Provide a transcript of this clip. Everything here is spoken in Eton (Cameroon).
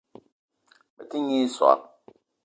Bete nyi i soag.